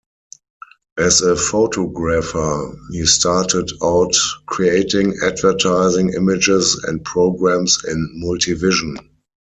As a photographer, he started out creating advertising images and programs in multivision.